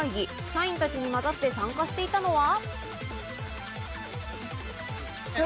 社員たちまざって参加していたのは。